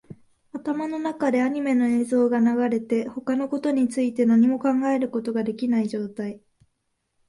頭の中でアニメの映像が流れて、他のことについて何も考えることができない状態